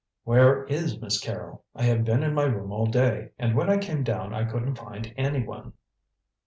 "Where is Miss Carrol? I have been in my room all day, and when I came down I couldn't find anyone."